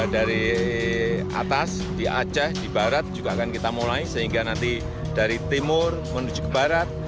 dari atas di aceh di barat juga akan kita mulai sehingga nanti dari timur menuju ke barat